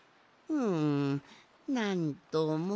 うむなんとも。